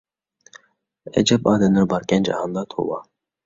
ئەجەب ئادەملەر باركەن جاھاندا، توۋا...